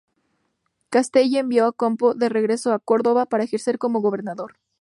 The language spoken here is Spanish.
Castelli envió a Ocampo de regreso a Córdoba, para ejercer como gobernador.